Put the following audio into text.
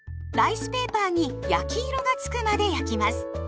ライスペーパーに焼き色がつくまで焼きます。